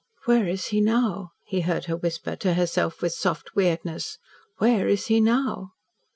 "Where is he now?" he heard her whisper to herself with soft weirdness. "Where is he now?"